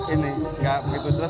ini gak begitu cerah